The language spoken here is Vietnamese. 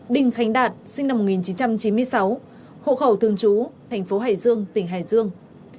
đình khánh đạt sinh năm một nghìn chín trăm chín mươi sáu hộ khẩu thương chú tp hải dương tỉnh hải dương